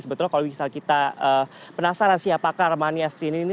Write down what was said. sebetulnya kalau misal kita penasaran sih apakah ramania asli ini